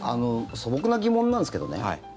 素朴な疑問なんですけどね